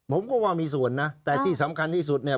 ผมก็ว่ามีส่วนนะแต่ที่สำคัญที่สุดเนี่ย